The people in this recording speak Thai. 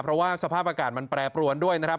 เพราะว่าสภาพอากาศมันแปรปรวนด้วยนะครับ